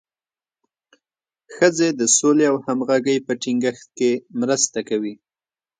ښځې د سولې او همغږۍ په ټینګښت کې مرسته کوي.